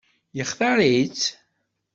Yextaṛ-itt?